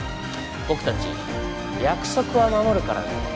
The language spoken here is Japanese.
僕達約束は守るからね